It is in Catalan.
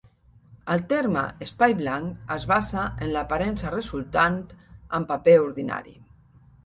El terme "espai blanc" es basa en l'aparença resultant en paper ordinari.